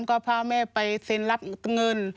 ก็พาแม่ไปเซ็นรับเงิน